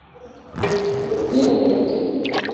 ubwiyandarike